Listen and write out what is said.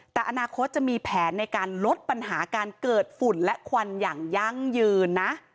แต่อนาคตจะมีแผนในการลดปัญหาการเกิดฝุ่นและควันอย่างยั่งยืนนะ